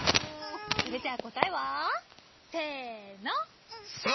それじゃあ答えは？せの！